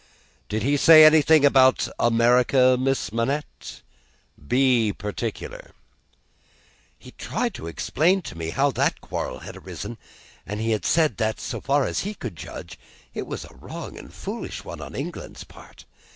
"Did he say anything about America, Miss Manette? Be particular." "He tried to explain to me how that quarrel had arisen, and he said that, so far as he could judge, it was a wrong and foolish one on England's part.